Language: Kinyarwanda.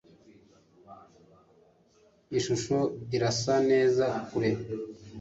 Ishusho irasa neza kure.